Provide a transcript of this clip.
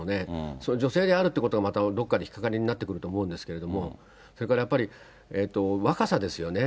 その女性であるってことは、またどこかで引っ掛かりになってくると思うんですが、それからやっぱり若さですよね。